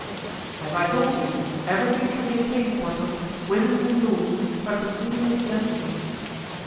"As I told you, everything can be attained, Porthos, women and doors, by proceeding with gentleness."